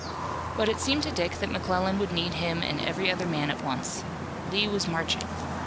But it seemed to Dick that McClellan would need him and every other man at once. Lee was marching.